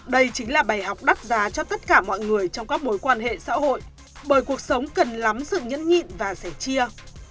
đây chính là bài học đắt giá cho tất cả mọi người trong các mối quan hệ xã hội bởi cuộc sống cần lắm sự nhẫn nhịn và sẻ chia